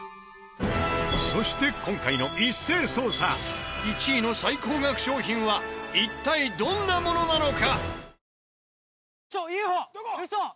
そして今回の一斉捜査１位の最高額商品は一体どんなものなのか？